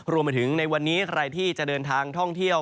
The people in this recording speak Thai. รวมไปถึงในวันนี้ใครที่จะเดินทางท่องเที่ยว